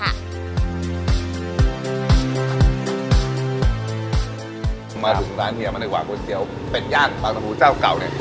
มาถึงร้านเฮียมาดีกว่าก๋วยเตี๋ยวเป็ดย่างปลาตะหูเจ้าเก่าเนี่ย